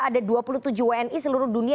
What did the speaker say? ada dua puluh tujuh wni seluruh dunia